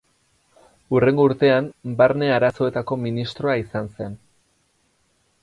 Hurrengo urtean Barne Arazoetako ministroa izan zen.